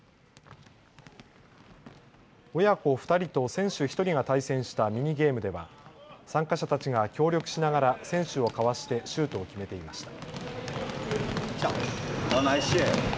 親子２人と選手１人が対戦したミニゲームでは参加者たちが協力しながら選手をかわしてシュートを決めていました。